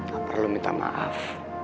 gak perlu minta maaf